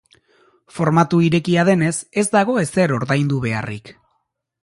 Formatu irekia denez, ez dago ezer ordaindu beharrik.